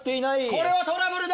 これはトラブルだ。